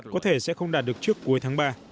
có thể sẽ không đạt được trước cuối tháng ba